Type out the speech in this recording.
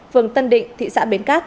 phường tân định thị xã bến cát